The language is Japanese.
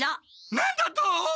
何だと！